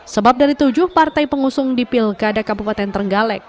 sebab dari tujuh partai pengusung di pilkada kabupaten trenggalek